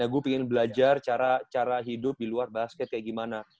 gue pengen belajar cara hidup di luar basket kayak gimana